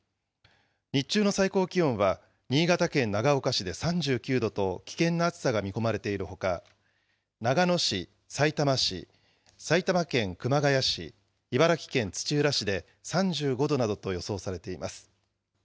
日中の最高気温は、新潟県長岡市で３９度と、危険な暑さが見込まれているほか、長野市、さいたま市、埼玉県熊谷市、茨城県土浦市で３５度などと予想されています。